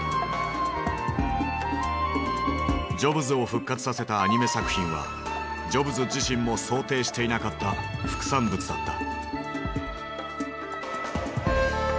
ジョブズを復活させたアニメ作品はジョブズ自身も想定していなかった副産物だった。